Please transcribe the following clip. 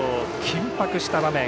緊迫した場面。